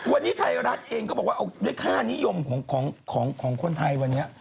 วันนี้ไทยรัฐเองก็บอกว่าเอาด้วยค่านิยมของคนไทยวันนี้